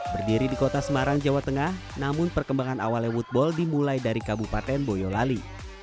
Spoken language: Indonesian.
berdiri di kota semarang jawa tengah namun perkembangan awalnya woodball dimulai dari kabupaten boyolali